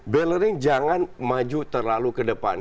bellery jangan maju terlalu ke depan